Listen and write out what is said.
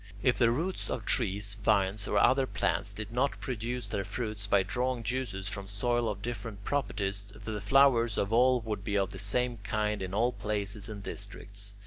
If the roots of trees, vines, or other plants did not produce their fruits by drawing juices from soil of different properties, the flowers of all would be of the same kind in all places and districts.